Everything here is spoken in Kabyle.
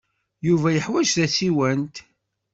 Yuba yeḥwaj tasiwant.